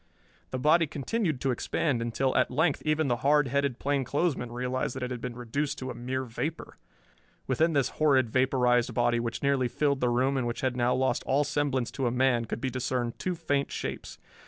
The body continued to expand until at length even the hard headed plainclothesman realized that it had been reduced to a mere vapor. Within this horrid vaporized body, which nearly filled the room and which had now lost all semblance to a man, could be discerned two faint shapes.